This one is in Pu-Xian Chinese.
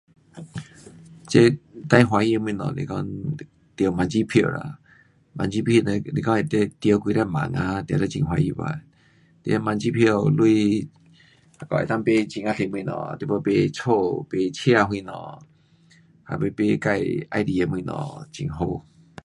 这最欢喜的东西是讲中万字票啦，万字票若你讲会中几十万呐，定然很欢喜吧。你那万字票钱那个能够买很呀多东西。你要买家，买车什么，还是要买自喜欢的东西很好。